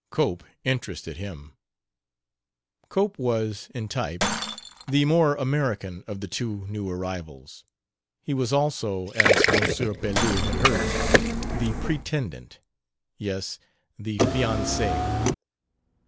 Cope interested him. Cope was, in type, the more "American" of the two new arrivals. He was also, as M. Pelouse had heard, the pretendant, yes, the fiance.